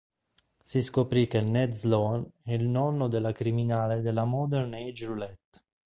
Si scoprì che Ned Sloane è il nonno della criminale della Modern Age Roulette.